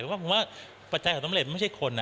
แต่ว่าผมว่าปัจจัยของสำเร็จไม่ใช่คน